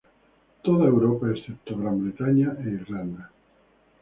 Toda Europa, excepto Gran Bretaña e Irlanda.